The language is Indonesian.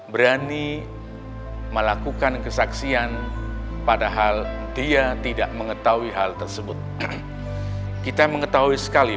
berani melakukan kesaksian padahal dia tidak mengetahui hal tersebut kita mengetahui sekali